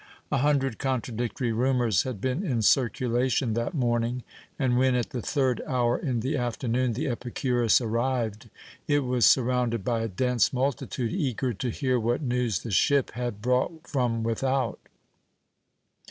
A hundred contradictory rumours had been in circulation that morning; and when, at the third hour in the afternoon, the Epicurus arrived, it was surrounded by a dense multitude eager to hear what news the ship had brought from without.